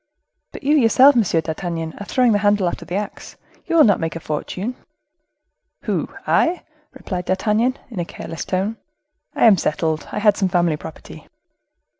"But you yourself, M. d'Artagnan, are throwing the handle after the axe; you will not make a fortune." "Who? I?" replied D'Artagnan, in a careless tone; "I am settled—I had some family property."